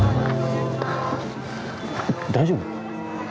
・大丈夫？